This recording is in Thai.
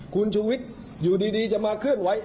คุณชูวิทย์อยู่ดีจะมาเคลื่อนไหว